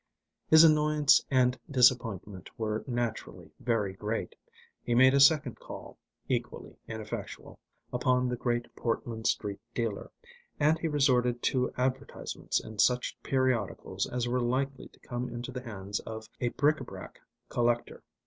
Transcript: His annoyance and disappointment were naturally very great. He made a second call (equally ineffectual) upon the Great Portland Street dealer, and he resorted to advertisements in such periodicals as were likely to come into the hands of a bric a brac collector.